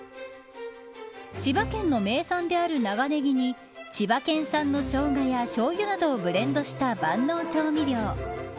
千葉県の名産である長ネギに千葉県産のしょうがやしょうゆなどをブレンドした万能調味料。